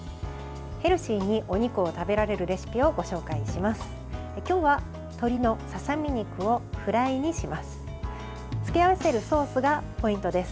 ヘルシーにお肉を食べられるレシピをご紹介します。